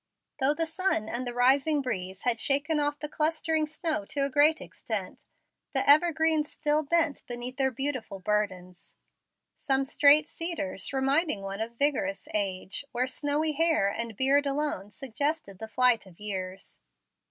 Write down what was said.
Though the sun and the rising breeze had shaken off the clustering snow to a great extent, the evergreens still bent beneath their beautiful burdens, some straight cedars reminding one of vigorous age, where snowy hair and beard alone suggest the flight of years.